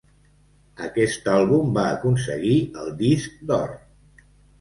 Aquest àlbum va aconseguir el disc d'or.